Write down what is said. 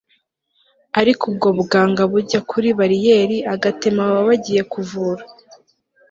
ariko ubwo buganga bujya kuri bariyeri agatema aba yagiye kuvura